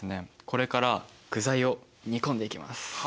これから具材を煮込んでいきます。